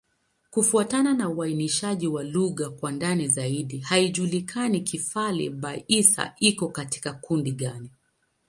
Kufuatana na uainishaji wa lugha kwa ndani zaidi, haijulikani Kifali-Baissa iko katika kundi gani.